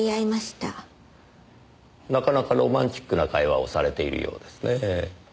なかなかロマンチックな会話をされているようですねぇ。